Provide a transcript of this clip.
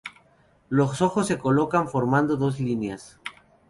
Los ojos se colocan formando dos líneas.